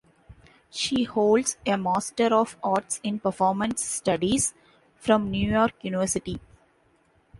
She holds a Master of Arts in Performance Studies from New York University.